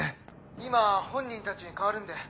今本人たちに代わるんで。